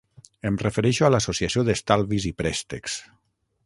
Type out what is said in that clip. Em refereixo a l'associació d'estalvis i préstecs.